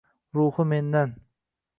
Ruhi mendan